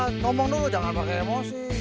kita ngomong dulu jangan pakai emosi